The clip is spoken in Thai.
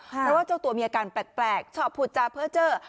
เพราะว่าเจ้าตัวมีอาการแปลกชอบผุดจาเพ้อเจอร์